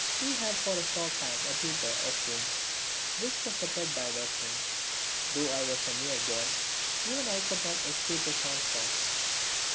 We had for a short time a tutor of whom this was a pet diversion. Though I was a mere boy, even I could not escape his onslaughts.